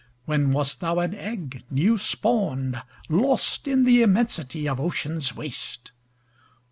When wast thou an egg new spawn'd, Lost in the immensity of ocean's waste?